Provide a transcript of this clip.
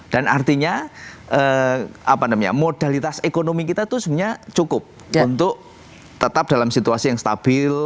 artinya modalitas ekonomi kita itu sebenarnya cukup untuk tetap dalam situasi yang stabil